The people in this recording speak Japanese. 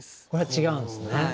これは違うんですね。